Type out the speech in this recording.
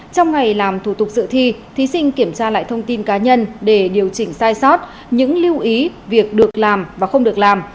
trong ngày làm thủ tục dự thi thí sinh kiểm tra lại thông tin cá nhân để điều chỉnh sai sót những lưu ý việc được làm và không được làm